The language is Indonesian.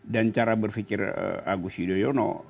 dan cara berpikir agus yudhoyono